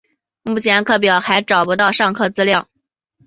目前课表还找不到上课资料